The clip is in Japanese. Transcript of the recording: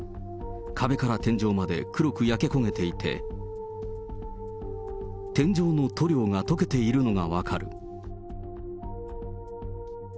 壁から天井まで黒く焼け焦げていて、天井の塗料が溶けているのが分かる。